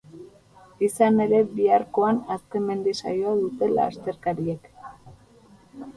Izan ere, biharkoan azken mendi saioa dute lasterkariek.